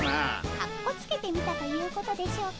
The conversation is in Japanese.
かっこつけてみたということでしょうか。